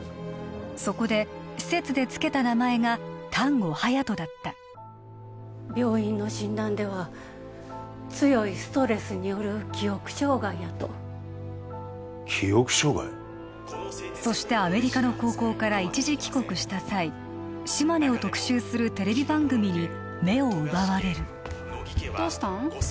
そこで施設でつけた名前が丹後隼人だった病院の診断では強いストレスによる記憶障害やと記憶障害？そしてアメリカの高校から一時帰国した際島根を特集するテレビ番組に目を奪われるどうしたん？